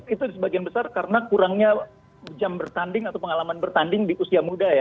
itu sebagian besar karena kurangnya jam bertanding atau pengalaman bertanding di usia muda ya